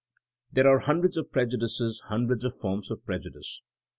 There are hundreds of prejudices, hundreds of forms of prejudice.